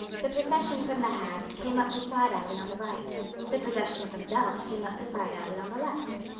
The procession from the Hague came up the side alley on the right. The procession from Delft came up the side alley on the left.